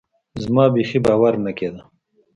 زما بيخي باور نه کېده.